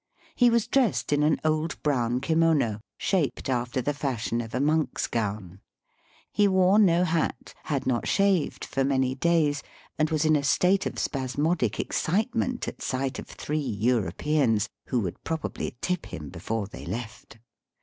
He was dressed in an old brown kimono, shaped after the fashion of a monk's gown. He wore no hat, had not shaved for many days, and was in a state of spasmodic excitement at sight of three Europeans, who would probably tip him before they left.